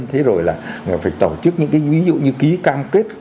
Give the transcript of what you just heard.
thế rồi là phải tổ chức những cái ví dụ như ký cam kết